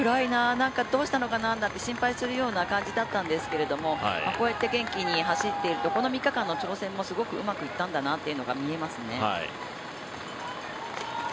あのときは、あれ、暗いなどうしたのかな？って心配するような感じだったんですけどこうやって元気に走っているとこの３日間の調整もすごくうまくいったんだなというのが見えますね。